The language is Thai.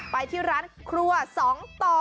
ไปที่ร้านครัว๒ต่อ